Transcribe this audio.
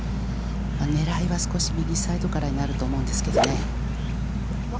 狙いは少し右サイドからになると思うんですけどね。